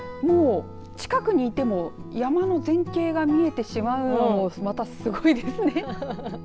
近くにいても山の全景が見えてしまうのはまたすごいですね。